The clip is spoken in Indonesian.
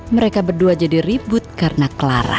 mereka berdua jadi ribut karena clara